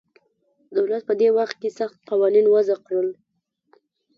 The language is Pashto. دولت په دې وخت کې سخت قوانین وضع کړل